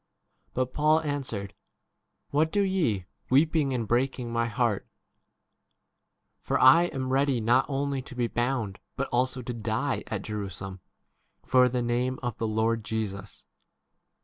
But Paul answered, "What do ye, weeping and breaking my heart ? for I am ready not only to be bound but also to die at Jerusalem for the 14 name of the Lord Jesus.